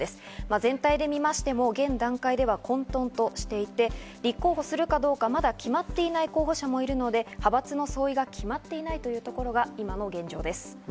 全体で見ましても現段階では混沌としていて、立候補するかどうかまだ決まっていない候補者もいるので、派閥の相違が決まっていないというところが今の現状です。